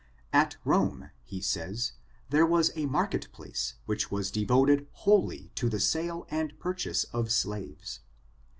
At Rome, he says, there was a market place, which was devot I ed wholly to the sale and purchase of slaves.